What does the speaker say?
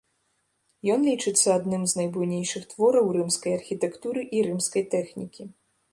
Ён лічыцца адным з найбуйнейшых твораў рымскай архітэктуры і рымскай тэхнікі.